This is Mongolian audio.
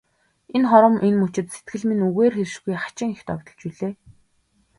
Энэ хором, энэ мөчид сэтгэл минь үгээр хэлшгүй хачин их догдолж билээ.